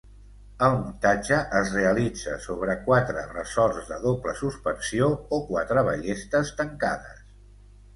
El muntatge es realitza sobre quatre ressorts de doble suspensió o quatre ballestes tancades.